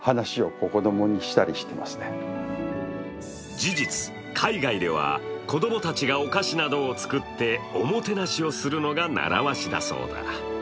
事実、海外では子供たちがお菓子などを作っておもてなしをするのが習わしだそうだ。